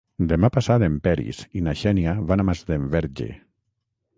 Demà passat en Peris i na Xènia van a Masdenverge.